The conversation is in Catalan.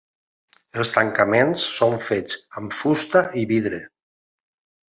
Els tancaments són fets amb fusta i vidre.